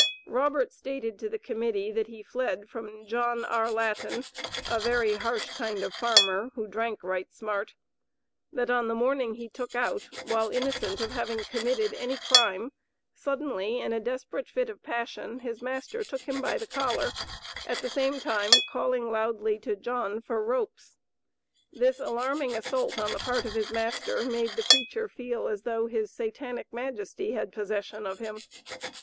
Robert stated to the Committee that he fled from "John R. Laten, a very harsh kind of a farmer, who drank right smart," that on the morning he "took out," while innocent of having committed any crime, suddenly in a desperate fit of passion, his master took him "by the collar," at the same time calling loudly to "John" for "ropes." This alarming assault on the part of his master made the preacher feel as though his Satanic majesty had possession of him.